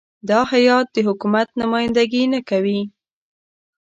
دا هیات د حکومت نمایندګي نه کوي.